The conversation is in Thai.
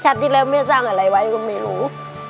ชาดที่แรกแม่สร้างอะไรไว้มันไม่รู้